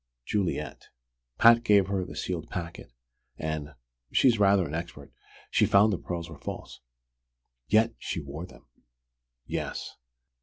"Juliet. Pat gave her the sealed packet, and she's rather an expert! she found the pearls were false." "Yet she wore them." "Yes."